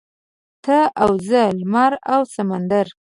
ته او زه لمر او سمندر.